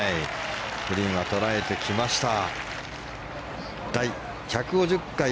グリーンは捉えてきました。